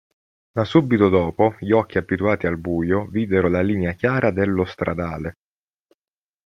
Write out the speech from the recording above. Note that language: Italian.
Ma subito dopo gli occhi abituati al buio videro la linea chiara dello stradale.